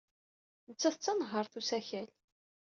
Nettat d tanehhaṛt n usakal.